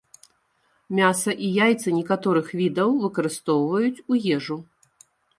Мяса і яйцы некаторых відаў выкарыстоўваюць у ежу.